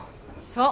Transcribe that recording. そう。